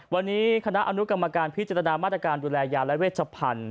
วันนี้คณะอนุกรรมการพิจารณามาตรการดูแลยาและเวชพันธุ